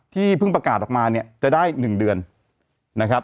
ที่เพิ่งประกาศออกมาเนี่ยจะได้๑เดือนนะครับ